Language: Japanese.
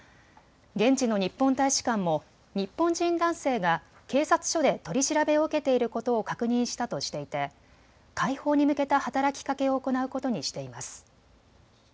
現地の日本大使館も日本人男性が警察署で取り調べを受けていることを確認したとしていて解放に向けた働きかけを行うことにしています。